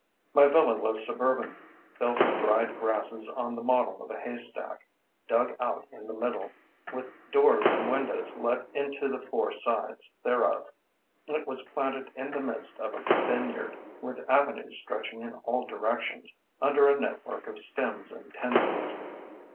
My villa was suburban, built of dried grasses on the model of a hay stack, dug out in the middle, with doors and windows let into the four sides thereof. It was planted in the midst of a vineyard, with avenues stretching in all directions, under a network of stems and tendrils.